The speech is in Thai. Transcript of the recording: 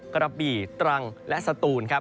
กระบี่ตรังและสตูนครับ